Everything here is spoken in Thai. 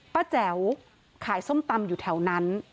แจ๋วขายส้มตำอยู่แถวนั้น